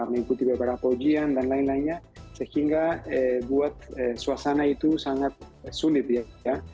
mengikuti beberapa ujian dan lain lainnya sehingga buat suasana itu sangat sulit ya